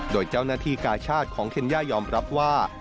โดยเจ้าหน้าที่กาชาติของเคนย่ายอมรับว่า